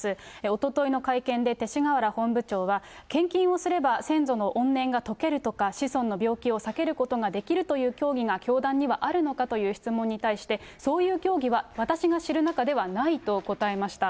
おとといの会見で、勅使河原本部長は、献金をすれば先祖の怨念が解けるとか、子孫の病気を避けることができるという教義が教団にはあるのかという質問に対して、そういう教義は私が知る中ではないと答えました。